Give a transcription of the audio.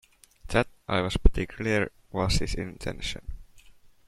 That, I was pretty clear, was his intention.